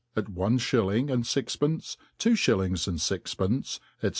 ^At One Shilling and Six^ pencei Two Shillings and Sixpena; bfc.